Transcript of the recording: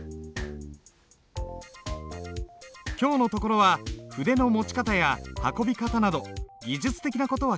今日のところは筆の持ち方や運び方など技術的な事は気にしない。